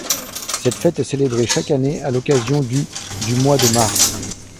Cette fête est célébrée chaque année, à l'occasion du du mois de mars.